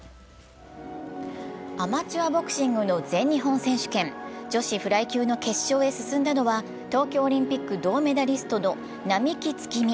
アマチュアボクシングの全日本選手権、女子フライ級の決勝へ進んだのは東京オリンピック銅メダリストの並木月海。